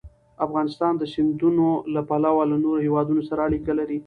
افغانستان د سیندونه له پلوه له نورو هېوادونو سره اړیکې لري.